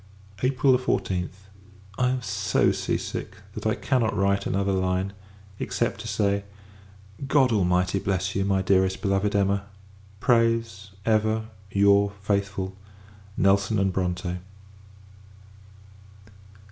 April 14th. I am so sea sick, that I cannot write another line; except, to say God Almighty bless you, my dearest beloved Emma! prays, ever, your faithful NELSON & BRONTE.